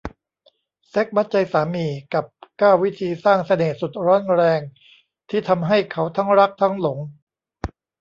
เซ็กส์มัดใจสามี กับ เก้า วิธีสร้างเสน่ห์สุดร้อนแรงที่ทำให้เขาทั้งรักทั้งหลง